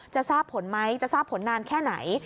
ทราบผลไหมจะทราบผลนานแค่ไหน